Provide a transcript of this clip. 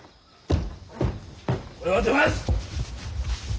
俺は出ます！